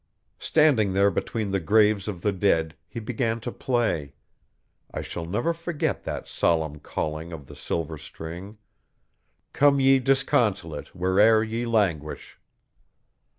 Standing there between the graves of the dead he began to play. I shall never forget that solemn calling of the silver string: 'Come ye disconsolate where'er ye languish.'